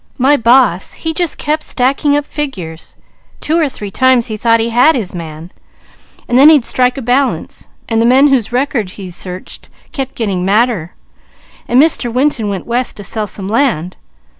"My boss he just kept stacking up figures; two or three times he thought he had his man and then he'd strike a balance; and the men whose records he searched kept getting madder, and Mr. Winton went west to sell some land.